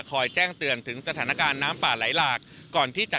ได้จัดเตรียมความช่วยเหลือประบบพิเศษสี่ชน